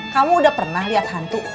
kamu udah pernah lihat hantu